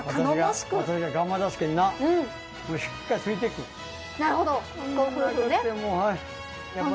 しっかりついてくる。